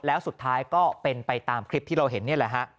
แล้วสุดท้ายก็เป็นไปตามคลิปที่เราเห็นนี่แหละฮะ